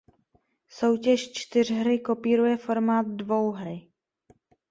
Soutěž čtyřhry kopíruje formát dvouhry.